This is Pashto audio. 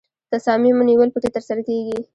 د تصامیمو نیول پکې ترسره کیږي.